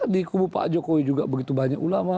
di kubu pak jokowi juga begitu banyak ulama